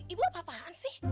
ibu apa apaan sih